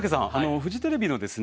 フジテレビのですね